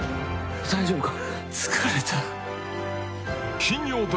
大丈夫か？